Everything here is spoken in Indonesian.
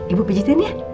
ibu pijetin ya